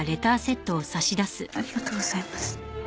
ありがとうございます。